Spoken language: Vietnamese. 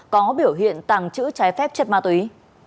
có biểu hiện tàng trữ trái phép chất ma túy